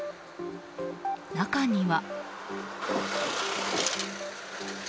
中には。